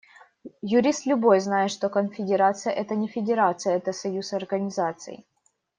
Юрист любой знает, что конфедерация – это не федерация, это союз организаций.